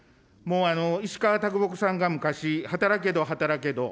石川啄木さんが昔、働けど働けど